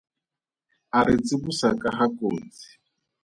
A re tsibosa ka ga kotsi.